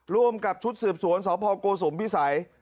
ร่วมกับชุดสืบสวนสพโกสุมพิสัย